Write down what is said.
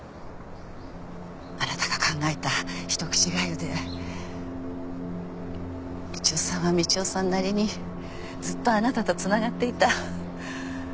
あなたが考えた一口がゆで道夫さんは道夫さんなりにずっとあなたとつながっていた。